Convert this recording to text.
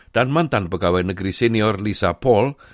dan mantan pegawai negeri senior lisa paul